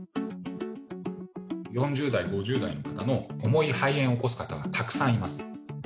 ４０代、５０代の方の重い肺炎を起こす方がたくさんいます。